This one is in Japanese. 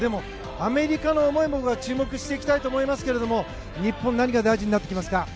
アメリカの思いも注目したいですが日本、何が大事になってきますか？